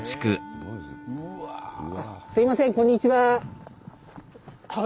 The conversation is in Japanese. すみませんこんにちは。